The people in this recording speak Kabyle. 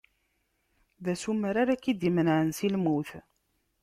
D asumer ara k-d-imenɛen si lmut.